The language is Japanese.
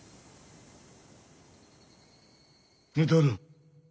似とる。